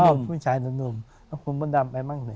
เอ้าผู้ชายหนุ่มแล้วคุณมะดำไปมั่งเลย